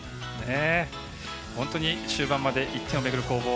本当に終盤まで１点を巡る攻防